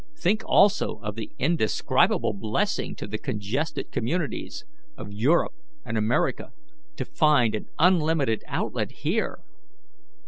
Think also of the indescribable blessing to the congested communities of Europe and America, to find an unlimited outlet here!